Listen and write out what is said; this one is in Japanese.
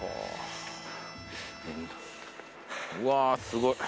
うわーすごい。